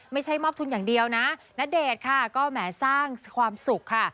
ไม่ใช่มอบทุนอย่างเดียวนะณเดชน์ค่ะก็แหมสร้างความสุขค่ะ